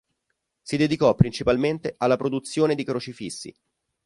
Si dedicò principalmente alla produzione di crocifissi.